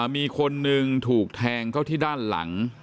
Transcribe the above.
มีคนหนึ่งถูกแทงเข้าที่ด้านหลัง